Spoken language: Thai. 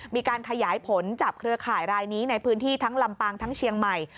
มีการขยายผลจับเครือข่ายรายนี้ในพื้นที่ทั้งลำปางทั้งเชียงใหม่